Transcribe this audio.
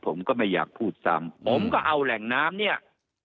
ผมก็ไม่อยากพูดซ้ำผมก็เอาแหล่งน้ำเนี่ย